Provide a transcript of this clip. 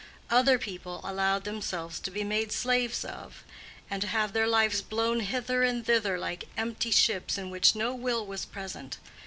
Other people allowed themselves to be made slaves of, and to have their lives blown hither and thither like empty ships in which no will was present.